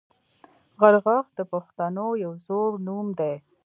غرغښت د پښتنو یو زوړ نوم دی